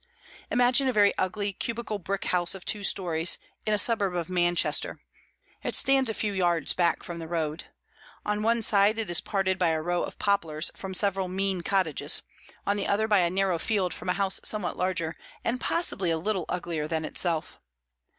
Imagine a very ugly cubical brick house of two stories, in a suburb of Manchester. It stands a few yards back from the road. On one side, it is parted by a row of poplars from several mean cottages; on the other, by a narrow field from a house somewhat larger and possibly a little uglier than itself.